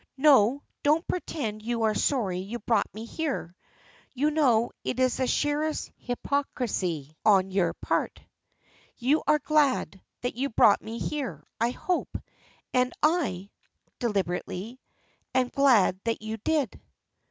"No, don't pretend you are sorry you brought me here. You know it is the sheerest hypocrisy on your part. You are glad, that you brought me here, I hope, and I" deliberately "am glad that you did."